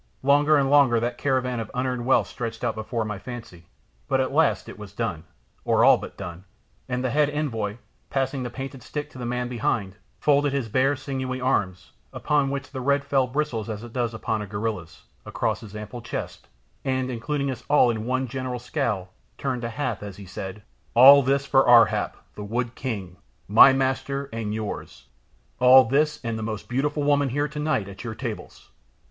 Longer and longer that caravan of unearned wealth stretched out before my fancy, but at last it was done, or all but done, and the head envoy, passing the painted stick to a man behind, folded his bare, sinewy arms, upon which the red fell bristles as it does upon a gorilla's, across his ample chest, and, including us all in one general scowl, turned to Hath as he said "All this for Ar hap, the wood king, my master and yours; all this, and the most beautiful woman here tonight at your tables!"